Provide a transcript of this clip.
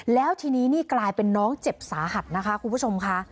แล้วทีนี้นี่กลายเป็นน้องเจ็บสาหัสนะคะคุณผู้ชมค่ะ